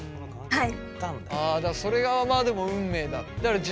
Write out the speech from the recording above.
はい。